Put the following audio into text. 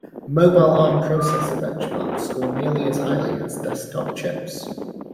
Mobile Arm processor benchmarks score nearly as highly as desktop chips.